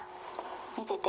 見せて。